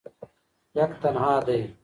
یک تنها دی